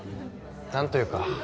何というか。